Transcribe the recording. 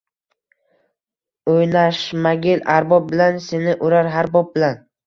O’ynashmagil arbob bilan seni urar har bob bilan